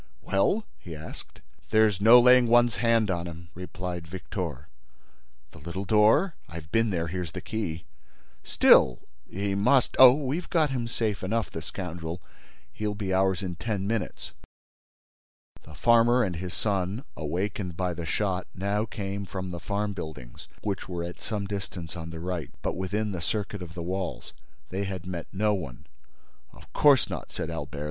"Well?" he asked. "There's no laying one's hands on him," replied Victor. "The little door?" "I've been there; here's the key." "Still—he must—" "Oh, we've got him safe enough, the scoundrel—He'll be ours in ten minutes." The farmer and his son, awakened by the shot, now came from the farm buildings, which were at some distance on the right, but within the circuit of the walls. They had met no one. "Of course not," said Albert.